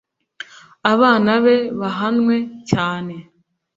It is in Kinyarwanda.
abana be bahanwe cyane